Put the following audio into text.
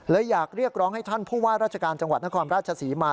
อยากเรียกร้องให้ท่านผู้ว่าราชการจังหวัดนครราชศรีมา